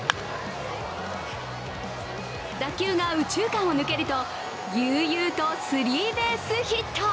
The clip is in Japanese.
打球が右中間を抜けると悠々とスリーベースヒット。